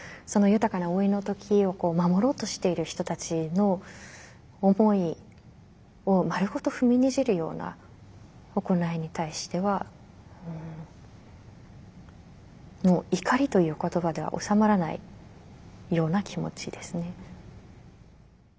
その豊かな老いの時を守ろうとしている人たちの思いを丸ごと踏みにじるような行いに対してはもう怒りという言葉では収まらないような気持ちですね。